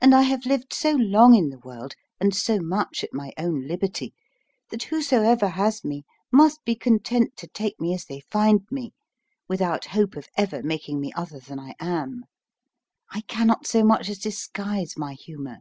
And I have lived so long in the world, and so much at my own liberty, that whosoever has me must be content to take me as they find me, without hope of ever making me other than I am. I cannot so much as disguise my humour.